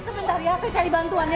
sebentar ya saya cari bantuan ya